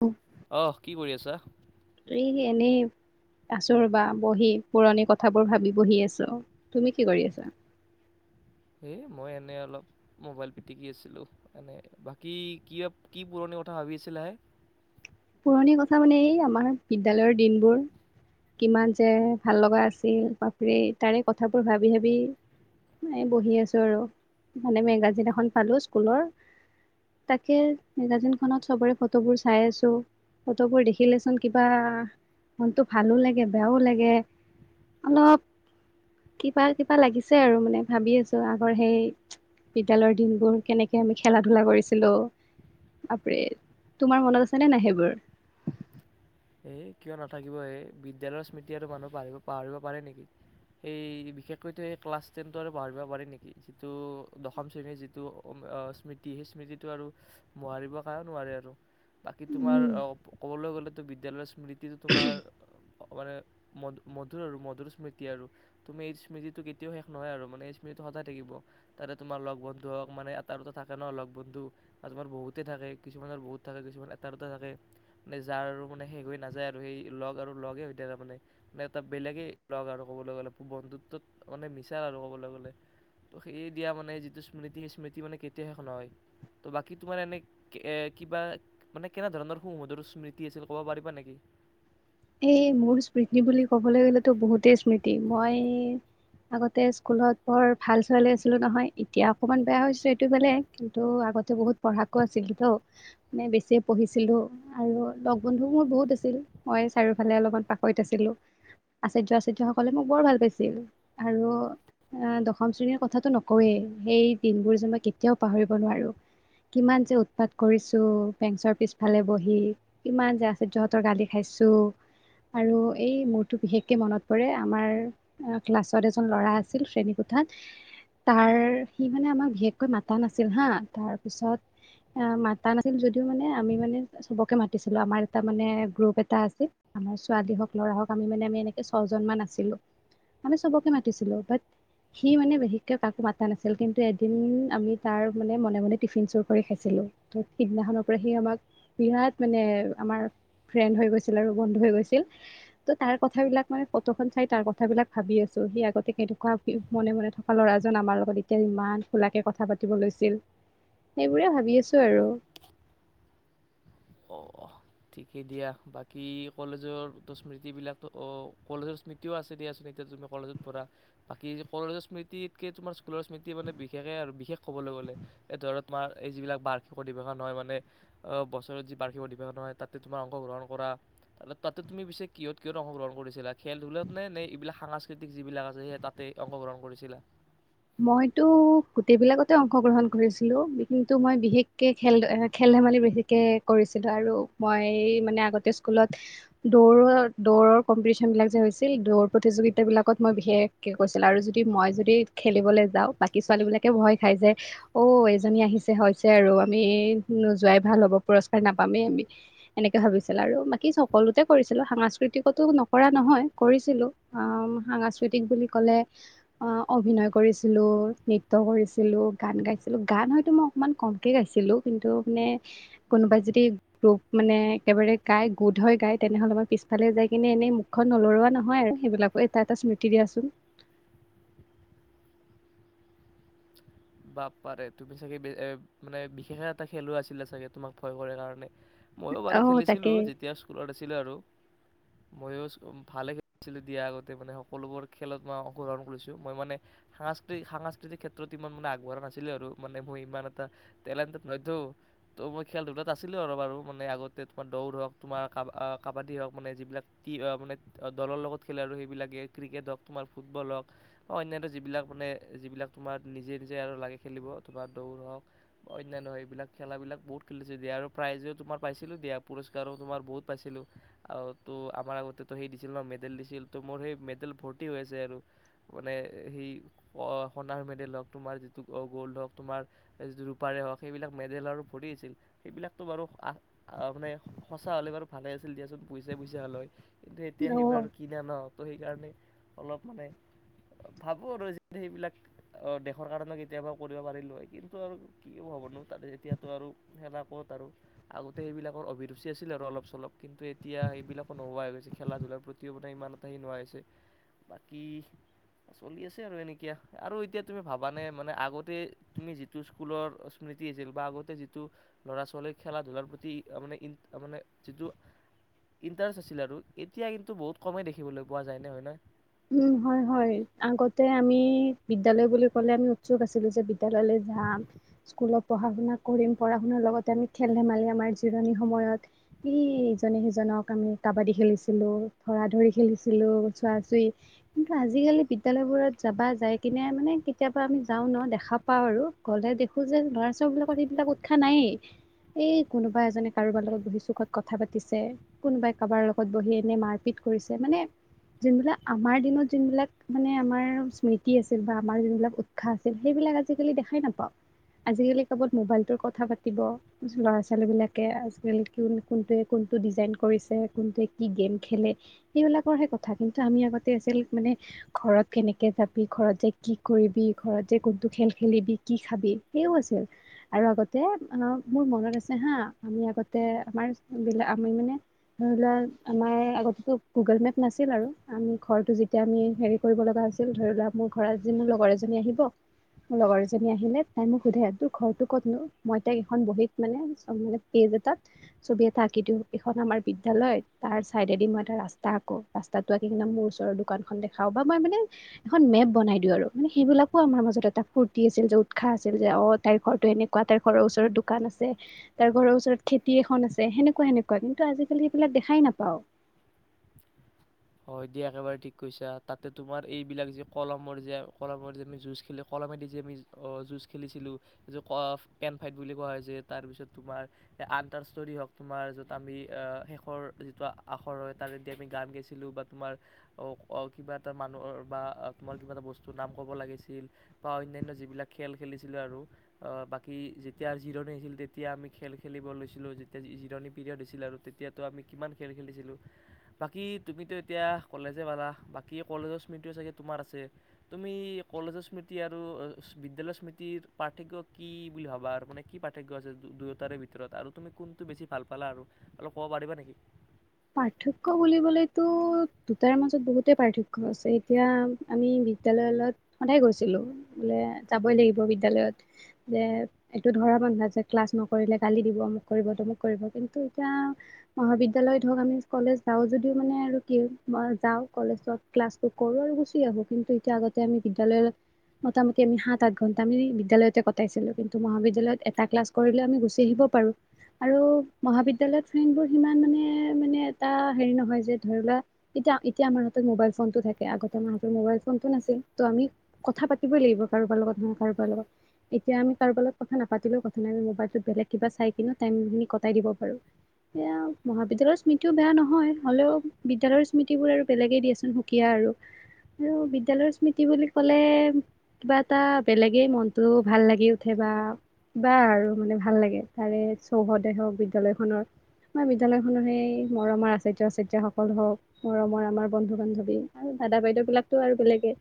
অ'। অহ কি কৰি আছা? এই এনেই আছো ৰবা বহি, পুৰণি কথাবোৰ ভাবি বহি আছো তুমি কি কৰি আছা? মই এনেই অলপ মোবাইল পিটিকি আছিলো এনে বাকী ক কি পুৰণি কথা ভাবি আছিল হে। পুৰণি কথা মানে এই আমাৰ বিদ্যালয়ৰ দিনবোৰ কিমান যে ভাল লগা আছিল বাপৰে তাৰে কথাবোৰ ভাবি ভাবি বহি আছো আৰু মানে মেগাজিন এখন পালো স্কুলৰ তাকে মেগাজিনখনত চবৰে ফটোবোৰ চাই আছো। ফটোবোৰ দেখিলেচোন কিবা মনটো ভালো লাগে, বেয়াও লাগে অলপ কিবা-কিবা লাগিছে আৰু মানে ভাবি আছো আগৰ সেই বিদ্যালয়ৰ দিনবোৰ কেনেকে আমি খেলা-ধূলা কৰিছিলো বাপৰে তোমাৰ মনত আছেনেে নাই সেইবোৰ এই কিয় নাথাকিব এই বিদ্যালয়ৰ স্মৃতি আৰু মানুহ পা পাহৰিব পাৰে নেকি, সেই বিশেষকৈতো সেই ক্লাছ টেনটো আৰু পাহৰিব পাৰে নেকি, যিটো দশম শ্ৰেণীৰ যিটো স্মৃতি সেই স্মৃতিটো আৰু মোহাৰিব কাৰণ নোৱাৰে আৰু বাকী তোমাৰ উম ক'বলৈ গ'লেতো বিদ্যালয়ৰ স্মৃতিটো তোমাৰ মানে ম মধুৰ আৰু মধুৰ স্মৃতি আৰু তুমি এই স্মৃতিটো কেতিয়াও শেষ নহয় আৰু মানে এই স্মৃতিটো সদায় থাকিব। তাতে তোমাৰ লগ বন্ধু হওক মানে এটাটো থাকে ন' লগ বন্ধু বা তোমাৰ বহুতে থাকে কিছুমানৰ বহুত থাকে কিছুমান এটা, দুটা থাকে মানে যাৰ আৰু মানে শেষ হৈ নাযায়। যায় আৰু সেই লগ আৰু লগেই হৈ থাকে। তাৰ মানে মানে এটা বেলেগেই লগ আৰু ক'বলৈ গ'লে বন্ধুত্বত মানে মিছাৰ আৰু ক'বলৈ গ'লে তো সেয়ে দিয়া মানে যিটো স্মৃতি সেই স্মৃতি মানে কেতিয়া শেষ নহয় ত' বাকী তোমাৰ এনে কিবা মানে কেনেধৰণৰ সুমধুৰ স্মৃতি আছিল ক'ব পাৰিবা নেকি? এই মোৰ স্মৃতি বুলি ক'বলৈ গ'লেতো বহুতেই স্মৃতি। মই আগতে স্কুলত বৰ ভাল ছোৱালী আছিলো নহয়, এতিয়া অকণমান বেয়া হৈছো। এইটো বেলেগ কিন্তু আগতে বহুত পঢ়াকো আছিলতো মানে বেছিয়ে পঢ়িছিলো আৰু লগ বন্ধু মোৰ বহুত আছিল মই চাৰিওফালে অলপমান পাকৈত আছিলো আচাৰ্য, আচাৰ্যসকলে মোক বৰ ভাল পাইছিল আৰু দশম শ্ৰেণীৰ কথাটো নকওৱেই, সেই দিনবোৰ যে মই কেতিয়াও পাহৰিব নোৱাৰো। কিমান যে উৎপাত কৰিছো বেঞ্চৰ পিছফালে বহি কিমান যে আচাৰ্যহঁতৰ গালি খাইছো। আৰু এই মোৰটো বিশেষকে মনত পৰে আমাৰ ক্লাছত এজন ল'ৰা আছিল। শ্ৰেণী কোঠাত তাৰ সি মানে আমাক বিশেষকৈ মাতা নাছিল হা, তাৰ পিছত মাতা নাছিল যদিও মানে আমি মানে চবকে মাতিছিলো আমাৰ এটা মানে গ্ৰুপ এটা আছিল। আমাৰ ছোৱালী হওক, ল'ৰা হওক আমি মানে আমি এনেকে ছজন মান আছিলো আমি চবকে মাতিছিলো বাট সি মানে বিশেষকৈ কাকো মাতা নাছিল কিন্তু এদিন আমি তাৰ মানে মনে মনে টিফিন চুৰ কৰি খাইছিলো। ত' সিদিনাখনৰ পৰা সি আমাক বিৰাট মানে আমাৰ ফ্ৰেণ্ড হৈ গৈছিল আৰু বন্ধু হৈ গৈছিল ত' তাৰ কথাবিলাক মানে ফটোখন চাই তাৰ কথাবিলাক ভাবি আছো। সি আগতে কেনেকে থকা মনে মনে থকা ল'ৰাজন আমাৰ লগত এতিয়া ইমান খোলাকে কথা পাতিব লৈছিল সেইবোৰে ভাবি আছো আৰু অ' ঠিকেই দিয়া বাকী কলেজৰো স্মৃতিবিলাকতো অ' কলেজৰ স্মৃতিও আছে দিয়াচোন, এতিয়া তুমি কলেজত পঢ়া বাকী কলেজৰ স্মৃতিতকে তোমাৰ স্কুলৰ স্মৃতি মানে বিশেষে আৰু বিশেষ ক'বলৈ গ'লে এই ধৰা তোমাৰ এই যিবিলাক বাৰ্ষিক অধিৱেশন হয় মানে বছৰত যি বাৰ্ষিক অধিৱেশন হয় তাতে তোমাৰ অংশগ্ৰহণ কৰা তাৰ তাতে তুমি পিছে কিহত কিহত অংশগ্ৰহণ কৰিছিলা, খেল ধূলাত নে নে এইবিলাক সাংস্কৃতিক যিবিলাক আছে সেই তাতে অংশগ্ৰহণ কৰিছিলা। মইতো গোটেইবিলাকতে অংশগ্ৰহণ কৰিছিলো কিন্তু মই বিশেষকে খেল, খেল-ধেমালি বিশেষকে কৰিছিলো আৰু মই মানে আগতে স্কুলত দৌৰৰ- দৌৰৰ কম্পিটিচ্যন বিলাক যে হৈছিল, দৌৰ প্ৰতিযোগিতাবিলাকত মই বিশেষকে কৰিছিলো আৰু যদি মই যদি খেলিবলৈ যাও বাকী ছোৱালী বিলাকে ভয় খাই যে অ' এইজনী আহিছে হৈছে আৰু আমি নোযোৱাই ভাল হ'ব পুৰস্কাৰ নাপামেই আমি। এনেকে ভাবিছিল আৰু বাকী সকলোতে কৰিছিলো সাংস্কৃতিকতো নকৰা নহয় কৰিছিলো সাংস্কৃতিক বুলি ক'লে অভিনয় কৰিছিলো নৃত্য কৰিছিলো, গান গাইছিলো। গান হয়তো মই অকমান কমকে গাইছিলো কিন্তু মানে কোনোবাই যদি গ্ৰুপ মানে একেবাৰে গাই গোট হৈ গায় তেনেহলে মই পিছফালে যাই কিনে এনেই মুখখন নলৰোৱা নহয় আৰু সেইবিলাকো এটা এটা স্মৃতি দিয়াচোন। বাপ পাৰে তুমি চাগে এ মানে বিশেষে এটা খেলুৱৈ আছিলে চাগে তোমাক ভয় কৰে কাৰণে ময়ো বাৰু অ', তাকে খেলিছিলো যেতিয়া স্কুলত আছিলো আৰু মইয়ো ভালে খেলিছিলো দিয়া আগতে মানে সকলোবোৰ খেলত মই অংশগ্ৰহণ কৰিছো মই মানে সাংস্কৃতিক-সাংস্কৃতিক ক্ষেত্ৰত ইমান মানে আগ কৰা নাছিলো আৰু মানে মই ইমান এটা টেলেণ্টেড নহয়তো তো, মই খেলা-ধূলাত আছিলো আৰু বাৰু মানে আগতে তোমাৰ দৌৰ হওক তোমাৰ কা কাবাডী হওক মানে যিবিলাকি মানে দলৰ লগত খেলে আৰু সেইবিলাকে ক্ৰিকেট হওক তোমাৰ ফুটবল হওক বা অন্যান্য যিবিলাক মানে যিবিলাক তোমাৰ নিজে যে আৰু লাগে খেলিব তোমাৰ দৌৰহক বা অন্যান্য এইবিলাক খেলাবিলাক বহুত খেলিছিলোঁ দিয়া আৰু প্ৰাইজো তোমাৰ পাইছিলোঁ দিয়া পুৰস্কাৰো তোমাৰ বহুত পাইছিলোঁ আৰু তো আমাৰ আগতেতো সেই দিছিল ন মেডেল দিছিল ত' মোৰ সেই মেডেল ভৰ্তি হৈ আছে আৰু মানে সেই সোণাৰ মেডেল হওক। তোমাৰ যিটো গ'ল্ড হওক তোমাৰ যিটো ৰূপাৰে হওক সেইবিলাক মেডেল আৰু ভৰি আছিল সেইবিলাকতো বাৰু মানে সঁচা হ'লে বাৰু ভালে আছিল দিয়াচোন পইচা পইচা হ'ল হয়। কিন্তু এতিয়া আহিব অ'। বাৰু কি না ন ত‌ অলপ মানে ভাবো আৰু যি সেবিলাক ৰ কাৰণে কেতিয়াবা কৰিব পাৰিলোঁ হয় কিন্তু আৰু কি হ'বনো ত এতিয়াতো আৰু খেলা ক'ত আৰু আগতে সেইবিলাকৰ অভিৰুচি আছিল আৰু অলপ চলপ কিন্তু এতিয়া সেইবিলাকো নোহোৱা হৈ গৈছে খেলা ধূলাৰ প্ৰতি মানে ইমান এটা সেই নোহোৱা হৈছে বাকী চলিআছে আৰু এনেকৈ আৰু এতিয়া তুমি ভাবা মানে মানে আগতে তুমি যিটো স্কুলৰ স্মৃতি আছিল বা আগতে যিটো ল'ৰা ছোৱালীৰ খেলা ধলাৰ প্ৰতি মানে মানে যিটো ইন্টাৰেষ্ট আছিল আৰু এতিয়া কিন্তু বহুত কমেই দেখিবলৈ পোৱা যায় না হ'য় না? উম হয় হয় আগতে আমি বিদ্য়ালয় বুলি ক'লে আমি উৎসুক আছিলো যে বিদ্য়ালয়লৈ যাম স্কুলত পঢ়া শুনা কৰিম পঢ়া শুনাৰ লগতে আমি খেল ধেমালি আমাৰ জিৰণি সময়ত ই ইজনে সিজনক আমি কাবাডী খেলিছিলো, ধৰা ধৰি খেলিছিলো, চোৱা চুই কিন্তু আজিকালি বিদ্য়ালয়বোৰত যাবা যাই কিনে মানে কেতিয়াবা আমি যাও ন দেখা পাও আৰু গলে দেখো যে ল'ৰা ছোৱালী বিলাকত এইবিলাক উৎসাহ নায়েই এই কোনোবা এজনে কাৰোবাৰ লগত বহি চুকত কথা পাতিছে, কোনোবাই কাৰোবাৰ লগত বহি এনে মাৰপিট কৰিছে মানে যোনবিলাক আমাৰ দিনত যোনবিলাক মানে আমাৰ স্মৃতি আছিল বা আমাৰ যোনবিলাক উৎসাহ আছিল সেইবিলাক আজিকালি দেখাই নাপাওঁ, আজিকালি কবাত মোবাইলটোৰ কথা পাতিব ল'ৰা ছোৱালী বিলাকে আজিকালি কোন কোনটোৱে কোনটো ডিজাইন কৰিছে কোনটোৱে কি গেম খেলে সেইবিলাকৰহে কথা আমি আগতে আছিল মানে ঘৰত কেনেকে যাবি ঘৰত যে কি কৰিবি, ঘৰত যে কোনটো খেল খেলিবি, কি খাবি সেইও আছিল আৰু আগতে অ মোৰ মনত আছে হা আমি আগতে আমাৰ বিলাক আমি মানে ধৰি লোৱা আমাৰ আগতো গুগল মেপ নাছিল আৰু। আমি ঘৰটো যেতিয়া আমি হেৰি কৰিব লগা হৈছিল ধৰি লোৱা মোৰ ঘৰত যি মোৰ লগৰ এজনী আহিব মোৰ লগৰ এজনী আহিলে তাই মোক সোধে আ তোৰ ঘৰটোো ক'তনো মই তাইক এখন বহীত মানে মানে পেজ এটাত ছবি এটা আঁকি দিওঁ এখন আমাৰ বিদ্য়ালয় তাৰ চাইডেদি মই এটা ৰাস্তা আঁকো ৰাস্তাত মোৰ ওচৰৰ দোকানখন দেখাও বা মই মানে এখন মেপ বনাই দিও আৰু মানে সেইবিলাকো আমাৰ মাজত এটা ফূুৰ্তি আছিল যে উৎসাহ আছিল যে অ তাইৰ ঘৰৰতো এনেকুৱা, তাই ঘৰৰ ওচৰত দোকান আছে, তাইৰ ঘৰৰ ওচৰত খেতি এখন আছে সেনেকুৱা সেনেকুৱা কিন্তু আজিকালি সেইবিলাক দেখাই নাপাও। হয় দিয়া একেবাৰে ঠিক কৈছা তাতে তোমাৰ এইবিলাক যে কলমৰ যে কলমৰ যে আমি যুজ খ কলমেদি যে আমি যুজ খেলিছিলো কেন ফাইট বুলি কোৱা হয় যে তাৰপিছত তোমাৰ আটাৰ ষ্টৰ হওঁক তোমাৰ য'ত আমি শেষৰ যিটো আখৰ হয় তাতেদি আমি গান গাইছিলো ছিলোঁ বা তোমাৰ কিবা এটা মানুহৰ বা তোমাৰ কিবা এটা বস্তুৰ নাম ক'ব লাগিছিল বা অন্যান্য যিবিলাক খেল খেলিছিলোঁ আৰু বাকী যেতিয়া জিৰণি আছিল তেতিয়া আমি খেল খেলিব লৈছিলোঁ যেতিয়া জিৰণি পিৰিয়ড হৈছিল আৰু তেতিয়াতো আমি কিমান খেল খেলিছিলোঁ বাকী তুমিতো এতিয়া কলেজে পালা বাকী কলেজৰ স্মৃতিও চাগে তোমাৰ আছে তুমি কলেজৰ স্মৃতি আৰু বিদ্যালয় স্মৃতিৰ পাৰ্থক্য কি বুলি ভাবা আৰু মানে কি পাৰ্থক্য আছে দু দুয়োটাৰে ভিতৰত আৰু তুমি কোনটো বেছি ভাল পালা আৰু অলপ ক'ব পাৰিবা নেকি? পাৰ্থক্য় বুলিবলেতো দুটাৰ মাজত বহুতে পাৰ্থক্য় আছে এতিয়া আমি বিদ্য়ালয়ত সদায় গৈছিলো বোলে যাবই লাগিব বিদ্য়ালয়ত যে এইটো ধৰা বন্ধা যে ক্লাছ নকৰিলে গালি দিব মোক কৰিব তমোক কৰিব কিন্তু এতিয়া মহাবিদ্যালয়ত ধৰক আমি কলেজ যাওঁ যদিও মানে আৰু কি যাওঁ কলেজত ক্লাছটো কৰোঁ আৰু গুচি আহো কিন্তু এতিয়া আগতে আমি বিদ্যালয়তে মোটামুটিমি সাত আঠ ঘন্টা আমি বিদ্যালয়তে কটাইছিলো কিন্তু মহাবিদ্যালয়ত এটা ক্লাছ কৰিলে আমি গুচি আহিব পাৰো আৰু মহাবিদ্যালয়ত ফ্ৰেণ্ডবোৰ সিমান মানে এ হেৰি নহয় যে ধৰিলোৱা এতিয়া এতিয়া আমাৰ হত মবাইল ফোন টো থাকে আগতে আমাৰহতে মবাইল ফোনটো নাছিল ত আমি কথা পাতিবই লাগিব কাৰোবাৰ লগত নহয় কাৰোবাৰ লগত এতিয়া আমি কাৰোব লগত কথা নাপাতিলেও কথা নাইি মবাইল বেলেগ কিবা চাই কিনে টাইমিনি কটাই দিব পাৰো স মহাবিদ্য় স্মৃতিও বেয়া নহয় হ'লেও বিদ্যালয়ৰ স্মৃতিবোৰ আৰু বেলেগেই দিয়াচোন সুকীয়া আৰু আৰু বিদ্য়ালয়ৰ স্মৃতি বুলি ক'লে কিবা এটা বেলেগেই মনটো ভাল লাগি উঠে বা কিবা আৰু মানে ভাল লাগে তাৰে চৌহদে হওক বিদ্যালয়খনৰ বা বিদ্যালয়খনৰ সেই মৰমৰ আচাৰ্যয় আচাৰ্যয় সকল হওক, মৰমৰ আমাৰ বন্ধু- বান্ধৱী আৰু দাদা বাইদেউ বিলাকতো আৰু বেলেগে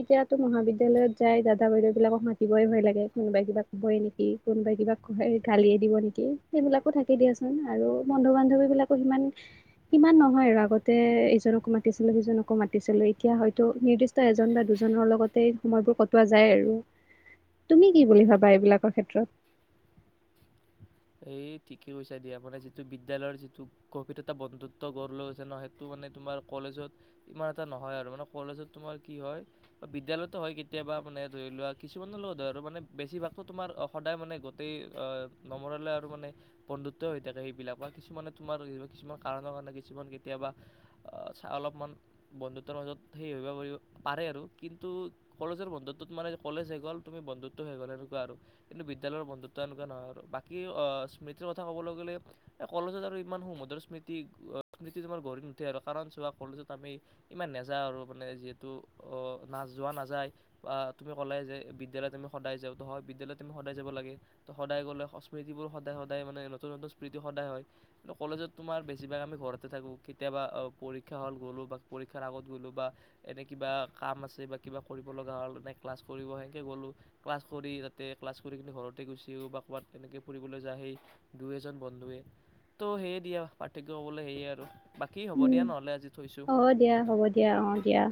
এতিয়াতো মহাবিদ্যালয়ত যাই দাদা বাইদেউ বিলাকক মাতিবই ভয় লাগে কোনোবাই কিবা কবইে নেকি কোনোবাই কিবা গালিয়ে দিব নেকি সেইবিলাকো থাকে দিয়াচোন আৰু বন্ধু বান্ধৱী বিলাক সিমান সিমান নহয় আৰু আগতে ইজনকো মাতিছিলো সিজনকো মাতিছিলো এতিয়া হয়তো নিৰ্দিষ্ট এজন বা দুজনৰ লগতে সময়বোৰ কটোৱা যায় আৰু তুমি কি বুলি ভাবা এইবিলাকৰ ক্ষেত্ৰত? এই ঠিকে কৈছা দিয়া মানে যিটো বিদ্যালয়ৰ যিটো গভিৰতা এটা বন্ধুত্ব গঢ় লৈ গৈছে ন সেইটো মানে তোমাৰ কলেজত ইমান এটা নহয় আৰু মানে কলেজত তোমাৰ কি হয় বিদ্য়ালয়ো হয় কেতিয়াবা মানে ধৰি লোৱা কিছুমানৰ লগত মানে বেছিভাগো তোমাৰ সদায় মানে গোটেই বৰলে আৰু মানে বন্ধুওই হই থাকে সেইবিলাকৰ কিছুমানে তোমাৰ কিছুমান কাৰণৰকাৰণে 'কিছুমানে কেতিয়াবা অলপমান বন্ধুত্বৰ মাজত সেইবাবেউ পাৰে আৰু কিন্তু কলেজৰ বন্ধুত্বত মানে কলেজ শেষ হ'ল তুমি বন্ধুত্ব শেষ হৈগ''ল এনেকুৱা আৰু কিন্তু বিদ্যালয়ৰ বন্ধুত্ব এনেকুৱা নহয় আৰু। কি স্মৃতিৰ কথা ক'বলৈ গ'লে এই কলেজত আৰু ইমান সুমদৰ স্মৃতি স্মৃতি তোমাৰ গঢ়ি নুঠে আৰু কাৰণ চোৱা কলেজত আমি ইমান নেযাওঁ আৰু মানে যিহেতু নাযোৱা নাযায় বা তুমি ক'লে যে বিদ্যালয়ত আমি সদায় যাওঁ তো হয় বিদ্যালয়ত তুমি সদায় যাব লাগে তো সদায় গ'লে স্মৃতিবোৰ সদায় সদায় মানে নতুন নতুন স্মৃতি সদায় হয় কিন্তু কলেজত তোমাৰ বেছিভাগ আমি ঘৰতে থাকোঁ কেতিয়াবা পৰীক্ষা হ' গলোঁ বা পৰীক্ষাৰ আগত গ'লোঁ বা এনে কিবা কাম আছে বা কিবা কৰিবলা হ'ল নে ক্লাছ কৰিব সেনেকৈ গ'লোঁ ক্লাছ কৰি তাতে ক্লাছ কৰি কিনে ঘৰতে গুচিও বা ক'ৰবাত তেনেকে ফুৰিবলৈ যাই সেই দুই এজন বন্ধুৱে তো সেয়ে দিয়া পাৰ্থক্য হ'বলৈ সেয়ে আৰু বাকী হ'ব উম দিয়া নহ'লে আজি। থৈছোঁ অ' দিয়া হ'ব দিয়া অ' দিয়া।